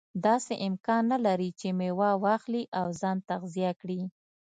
داسې امکان نه لري چې میوه واخلي او ځان تغذیه کړي.